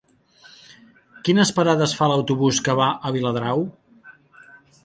Quines parades fa l'autobús que va a Viladrau?